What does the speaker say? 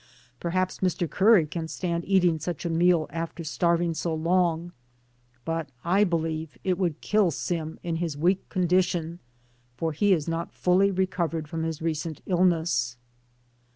Perhaps Mr. Curry can stand eating such a meal after starving so long, but I believe it would kill Sim in his weak condition, for he is not fully recovered from his recent ill ness.